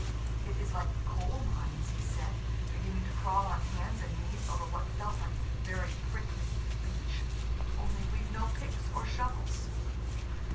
"It is like coal mines," he said, beginning to crawl on hands and knees over what felt like very prickly beach, "only we've no picks or shovels."